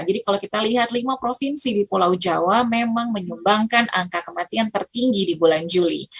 jadi kalau kita lihat lima provinsi di pulau jawa memang menyumbangkan angka kematian tertinggi di bulan juli